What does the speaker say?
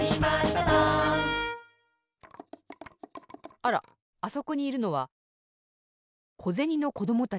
あらあそこにいるのはこぜにのこどもたち。